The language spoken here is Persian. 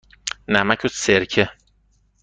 نمک و سرکه.